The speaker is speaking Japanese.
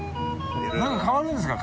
何か変わるんですか？